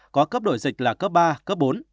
có cấp độ dịch là cấp ba cấp bốn